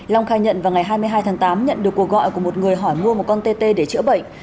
long khai nhận vào ngày hai mươi hai tháng tám nhận được cuộc gọi của một người hỏi mua một con tê tê để chữa bệnh